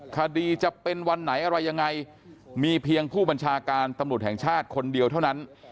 คดีจะเป็นวันไหนอะไรยังไงมีเพียงผู้บัญชาการตำรวจแห่งชาติคนเดียวเท่านั้น